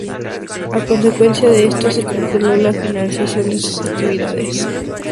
A consecuencia de esto, se congeló la financiación de sus actividades.